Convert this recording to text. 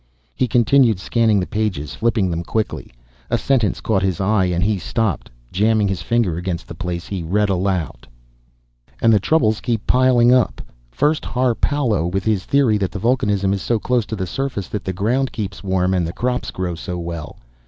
He continued scanning the pages, flipping them quickly. A sentence caught his eye and he stopped. Jamming his finger against the place, he read aloud. "'... And troubles keep piling up. First Har Palo with his theory that the vulcanism is so close to the surface that the ground keeps warm and the crops grow so well.